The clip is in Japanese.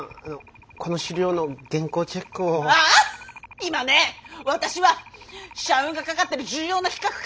今ね私は社運がかかってる重要な企画考えてんの！